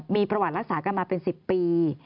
มีประวัติรักษากันมาเป็น๑๐ปี